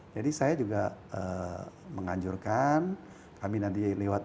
jadi saya juga